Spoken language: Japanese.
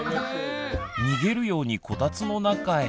逃げるようにこたつの中へ。